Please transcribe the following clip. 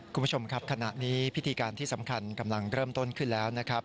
คุณผู้ชมครับขณะนี้พิธีการที่สำคัญกำลังเริ่มต้นขึ้นแล้วนะครับ